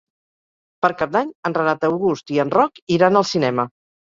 Per Cap d'Any en Renat August i en Roc iran al cinema.